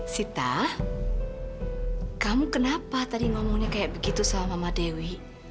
sita kamu kenapa tadi ngomongnya kayak begitu sama mbak dewi